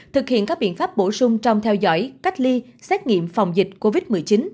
thực hiện các biện pháp bổ sung trong theo dõi cách ly xét nghiệm phòng dịch covid một mươi chín